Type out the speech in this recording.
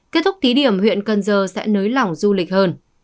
kết thúc thí điểm huyện cần giờ sẽ nới lỏng du lịch hơn